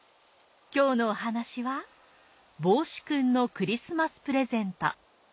今日のお話は『ぼうしくんのクリスマスプレゼント』。